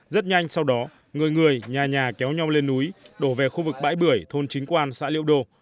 rất nhanh sau đó người người nhà nhà kéo nhau lên núi đổ về khu vực bãi bưởi thôn chính quan xã liễu đô